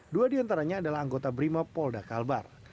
dua di antaranya adalah anggota brimop polda kalbar